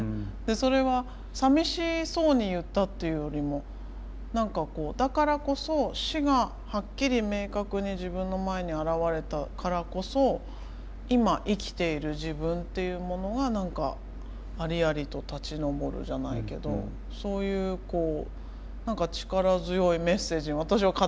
それはさみしそうに言ったっていうよりも何かこうだからこそ死がはっきり明確に自分の前に現れたからこそ今生きている自分というものが何かありありと立ち上るじゃないけどそういうこう何か力強いメッセージに私は勝手に受け取って。